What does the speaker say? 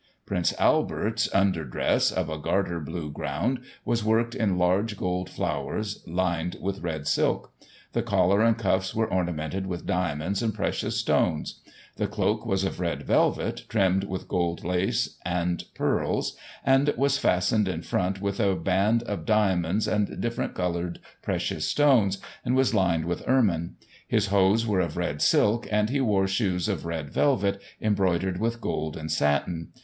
Prince Albert's under dress, of a garter blue ground, was worked in large gold flowers, lined with red silk. The collar and cuffs were ornamented with diamonds and precious stones. The cloak was of red velvet, trimmed with gold lace and pearls, and was fastened in front with a band of diamonds and different coloured precious stones, and was lined with ermine. His hose were of red silk, and he wore shoes of red velvet, embroidered with gold and satin.